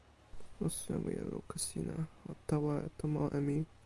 o sewi e luka sina. o tawa tomo e mi.